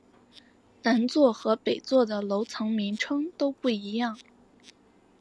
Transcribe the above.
南座和北座的楼层名称都不一样。